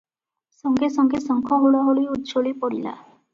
ସଙ୍ଗେ ସଙ୍ଗେ ଶଙ୍ଖ ହୁଳହୁଳି ଉଛୁଳି ପଡ଼ିଲା ।